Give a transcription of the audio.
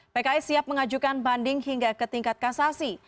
pks siap mengajukan banding hingga ke tingkat kasasi